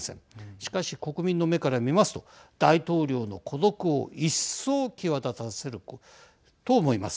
しかし、国民の目から見ますと大統領の孤独を一層、際立たせると思います。